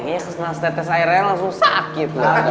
kayaknya kesenang setetes airnya langsung sakit lah